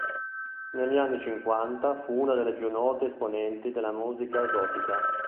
Negli anni cinquanta fu una delle più note esponenti della musica esotica.